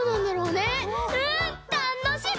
うん！たのしみ！